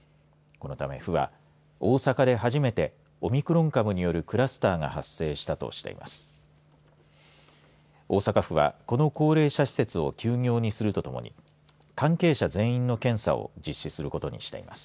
このため府は大阪で初めてオミクロン株によるクラスターが発生したとしています。